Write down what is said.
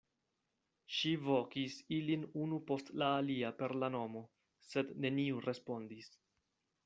Ŝi vokis ilin unu post la alia per la nomo, sed neniu respondis.